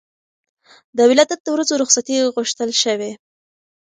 د ولادت د ورځو رخصتي غوښتل شوې.